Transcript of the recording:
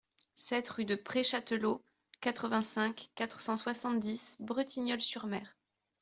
sept rue de Pré Chatelot, quatre-vingt-cinq, quatre cent soixante-dix, Bretignolles-sur-Mer